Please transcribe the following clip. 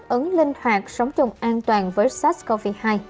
hợp ứng linh hoạt sống chung an toàn với sars cov hai